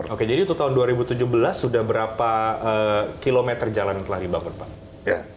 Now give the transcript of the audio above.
oke jadi untuk tahun dua ribu tujuh belas sudah berapa kilometer jalan yang telah dibangun pak